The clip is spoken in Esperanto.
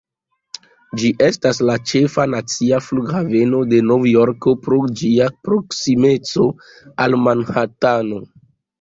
Ĝi estas la ĉefa nacia flughaveno de Novjorko, pro ĝia proksimeco al Manhatano.